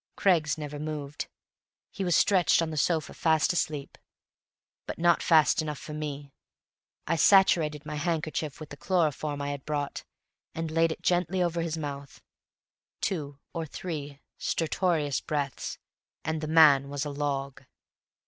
Craggs never moved; he was stretched on the sofa fast asleep. But not fast enough for me. I saturated my handkerchief with the chloroform I had brought, and laid it gently over his mouth. Two or three stertorous breaths, and the man was a log.